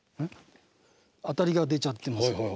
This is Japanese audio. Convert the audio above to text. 当たりが出ちゃってます。